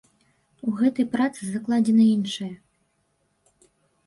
У гэтай працы закладзена іншае.